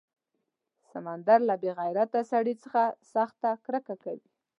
سمندر له بې غیرته سړي څخه سخته کرکه کوي.